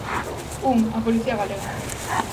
Un, a policía galega.